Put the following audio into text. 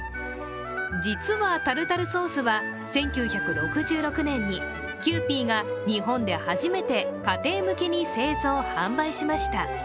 実はタルタルソースは、１９６６年にキユーピーが日本で初めて家庭向けに製造・販売しました。